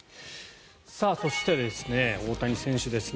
そして、大谷選手ですね。